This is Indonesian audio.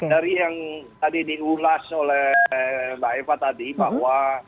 dari yang tadi diulas oleh mbak eva tadi bahwa